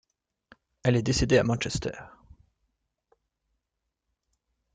Elle est décédée à Manchester.